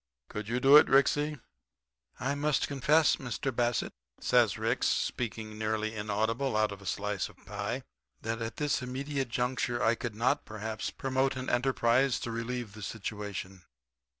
Could you do it, Ricksy?' "'I must confess, Mr. Bassett,' says Ricks, speaking nearly inaudible out of a slice of pie, 'that at this immediate juncture I could not, perhaps, promote an enterprise to relieve the situation.